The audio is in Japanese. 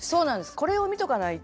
これを見とかないと。